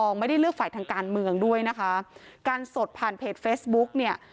ไม่ได้เลือกฝ่ายทางการเมืองด้วยนะคะการสดผ่านเพจเฟซบุ๊กเนี่ย